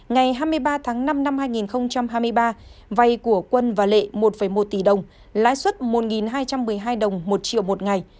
ngày hai mươi ba tháng năm năm hai nghìn hai mươi ba vay của quân và lệ một một tỷ đồng lãi suất một hai trăm một mươi hai đồng một triệu một ngày